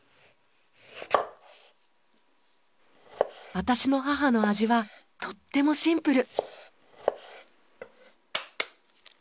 私の母の味はとってもシンプル。